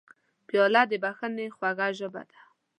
پیاله د بښنې خوږه ژبه ده.